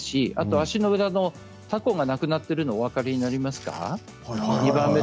足の裏のタコがなくなっているのがお分かりになりますか？